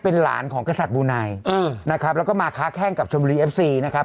เป็นหลานของกษัตริย์บูไนอืมนะครับแล้วก็มาค้าแข้งกับชมบุรีเอฟซีนะครับ